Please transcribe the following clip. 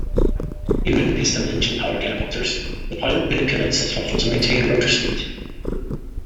In many piston engine-powered helicopters, the pilot manipulates the throttle to maintain rotor speed.